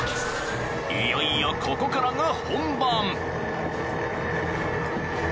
いよいよここからが］